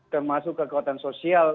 termasuk kekuatan sosial